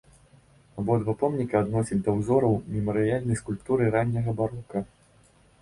Абодва помніка адносяць да ўзораў мемарыяльнай скульптуры ранняга барока.